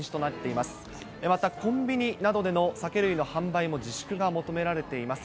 またコンビニなどでの酒類の販売も自粛が求められています。